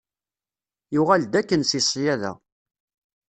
Yuɣal-d akken si ssyaḍa.